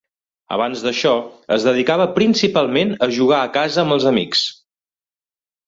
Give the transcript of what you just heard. Abans d'això, es dedicava, principalment, a jugar a casa amb els amics.